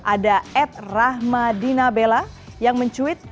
ada ed rahmadina bella yang mencuit